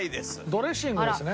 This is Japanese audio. ドレッシングですね？